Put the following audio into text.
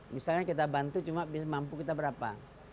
misalnya kita bantu cuma mampu kita berapa